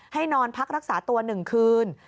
ให้นอนพักรักษาตัวหนึ่งคืน